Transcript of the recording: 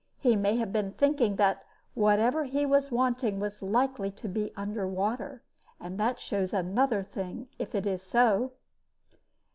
He may have been thinking that whatever he was wanting was likely to be under water. And that shows another thing, if it is so."